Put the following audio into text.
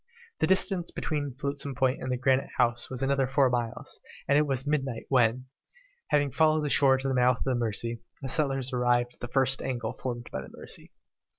The distance between Flotsam Point and Granite House was another four miles, and it was midnight when, after having followed the shore to the mouth of the Mercy, the settlers arrived at the first angle formed by the Mercy.